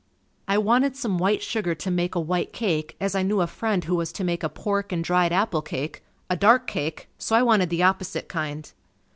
I wanted some white sugar to make a white cake as I knew a friend who was to make a pork and dried apple cake, a dark cake, so I wanted the opposite kind.